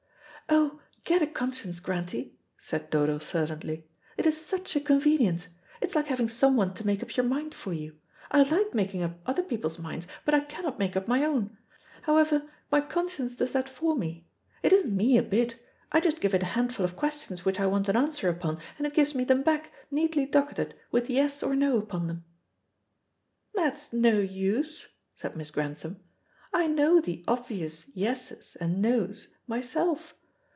"Oh, get a conscience, Grantie," said Dodo fervently, "it is such a convenience. It's like having someone to make up your mind for you. I like making up other people's minds, but I cannot make up my own; however, my conscience does that for me. It isn't me a bit. I just give it a handful of questions which I want an answer upon, and it gives me them back, neatly docketed, with 'Yes' or 'No' upon them." "That's no use," said Miss Grantham. "I know the obvious 'Yeses' and 'Noes' myself.